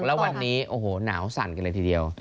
แล้ววันนี้โอ้โหหนาวสั่นกันเลยทีเดียว